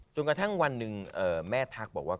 จนกระทั่งวันหนึ่งแม่ทักบอกว่า